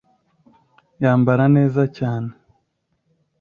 Yambara neza cyane